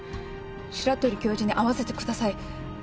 白鳥教授に会わせてください。